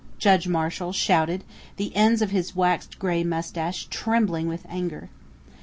Judge Marshall shouted, the ends of his waxed grey mustache trembling with anger.